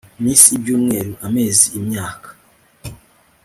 Iminsi ibyumweru amezi imyaka